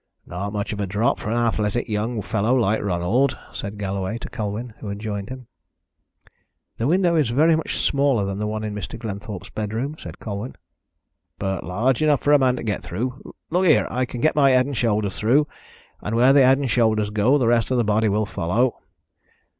"Not much of a drop for an athletic young fellow like Ronald," said Galloway to Colwyn, who had joined him. "The window is very much smaller than the one in Mr. Glenthorpe's bedroom," said Colwyn. "But large enough for a man to get through. Look here! I can get my head and shoulders through, and where the head and shoulders go the rest of the body will follow.